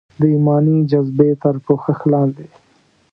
د ایماني جذبې تر پوښښ لاندې.